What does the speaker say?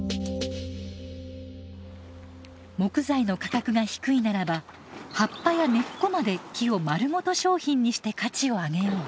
木材の価格が低いならば葉っぱや根っこまで木をまるごと商品にして価値を上げよう。